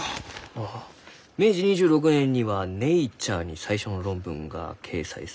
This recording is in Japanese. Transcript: ああ明治２６年には「ネイチャー」に最初の論文が掲載されちゅうと。